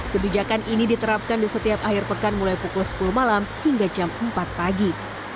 kebijakan ini diterapkan di setiap akhir pekan mulai pukul sepuluh malam hingga jam empat pagi